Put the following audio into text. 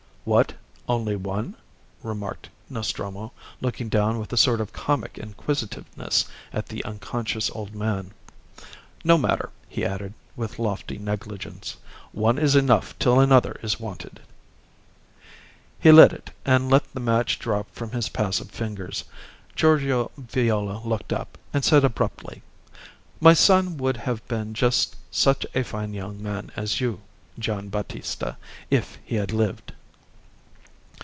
"What, only one?" remarked Nostromo, looking down with a sort of comic inquisitiveness at the unconscious old man. "No matter," he added, with lofty negligence; "one is enough till another is wanted." He lit it and let the match drop from his passive fingers. Giorgio Viola looked up, and said abruptly "My son would have been just such a fine young man as you, Gian' Battista, if he had lived."